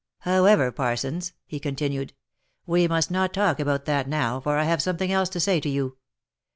" However, Parsons," he continued, " we must not talk about that now, for I have something else to say to you.